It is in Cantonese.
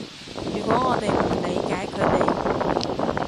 如果我哋唔理解佢哋